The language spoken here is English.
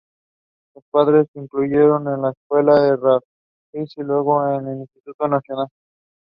Johanne Dietrichson was the daughter of Honoratus Bonnevie and sister of Jacob Aall Bonnevie.